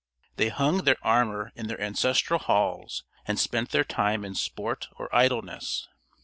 They hung their armor in their ancestral halls, and spent their time in sport or idleness.